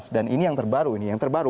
dan ini yang terbaru